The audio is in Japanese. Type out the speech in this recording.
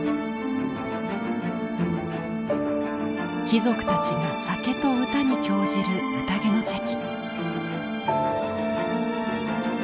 貴族たちが酒と歌に興じる宴の席。